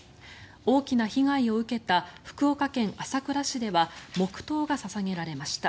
大きな被害を受けた福岡県朝倉市では黙祷が捧げられました。